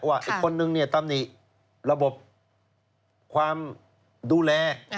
ว่าคนหนึ่งตามนี้ระบบความดูแล